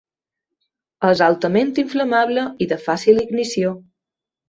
És altament inflamable i de fàcil ignició.